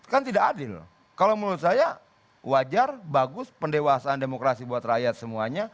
kan tidak adil kalau menurut saya wajar bagus pendewasaan demokrasi buat rakyat semuanya